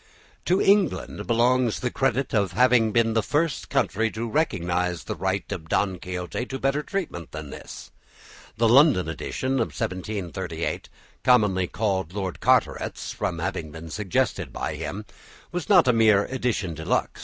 To England belongs the credit of having been the first country to recognise the right of "Don Quixote" to better treatment than this. The London edition of 1738, commonly called Lord Carteret's from having been suggested by him, was not a mere edition de luxe.